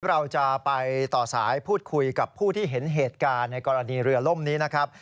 เราจะไปต่อสายพูดคุยกับผู้ที่เห็นเหตุการณ์ในกรณีเรือล่มนี้นะครับ